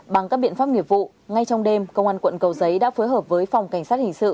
bằng các biện pháp nghiệp vụ ngay trong đêm công an quận cầu giấy đã phối hợp với phòng cảnh sát hình sự